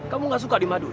kamu tidak suka dimadui